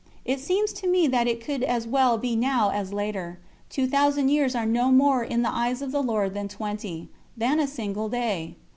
It seems to me that it could as well be now as later: two thousand years are no more in the Eyes of the Lord than twenty years ... than a single day!